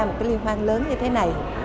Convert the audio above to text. một cái liên hoan lớn như thế này